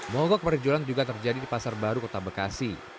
mogok perjualan juga terjadi di pasar baru kota bekasi